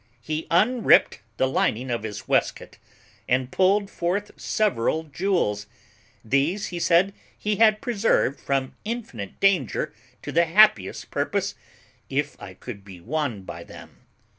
He unript the lining of his waistcoat, and pulled forth several jewels; these, he said, he had preserved from infinite danger to the happiest purpose, if I could be won by them.